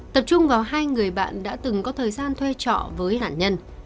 tập trung vào hai người bạn đã từng có thời gian thuê trọ với nạn nhân